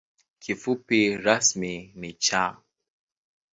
Kifupi rasmi ni ‘Cha’.